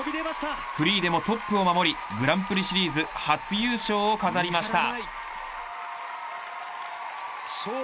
フリーでもトップを守りグランプリシリーズ初優勝を飾りました。